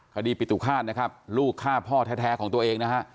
คดีปิตุฆาตลูกฆ่าพ่อแท้ของตัวเอง